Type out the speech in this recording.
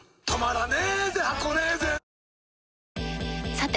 さて！